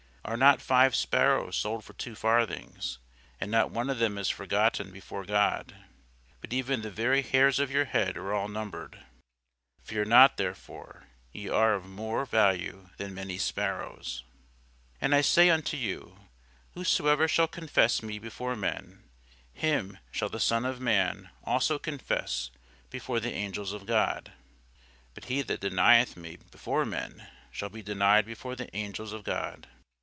Are not five sparrows sold for two farthings, and not one of them is forgotten before God? But even the very hairs of your head are all numbered. Fear not therefore: ye are of more value than many sparrows. [Sidenote: St. Luke 12] Also I say unto you, Whosoever shall confess me before men, him shall the Son of man also confess before the angels of God: but he that denieth me before men shall be denied before the angels of God.